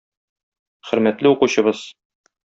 Хөрмәтле укучыбыз!